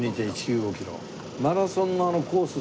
マラソンのコース